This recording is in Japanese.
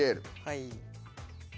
はい。